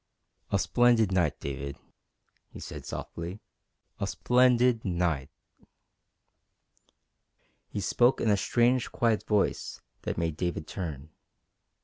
"A splendid night, David," he said softly. "A splendid night!" He spoke in a strange, quiet voice that made David turn.